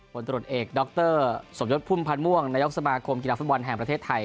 ตรวจเอกดรสมยศพุ่มพันธ์ม่วงนายกสมาคมกีฬาฟุตบอลแห่งประเทศไทย